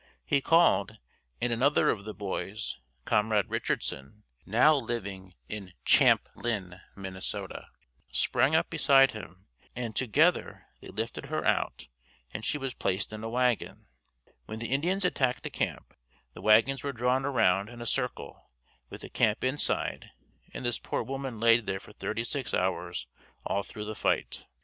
He called and another of the boys, Comrade Richardson, now living in Champlin, Minn., sprang up beside him and together they lifted her out and she was placed in a wagon. When the Indians attacked the camp, the wagons were drawn around in a circle with the camp inside and this poor woman laid there for thirty six hours all through the fight.